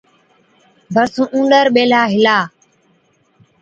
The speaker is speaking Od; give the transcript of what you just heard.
ڀرسُون اُونڏر ٻيهلا هِلا،